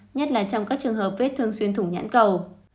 nhất là trong các trường hợp viết thương xuyên thùng nhãn cầu